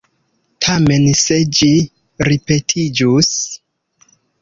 Tamen se ĝi ripetiĝus.